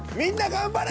頑張れ。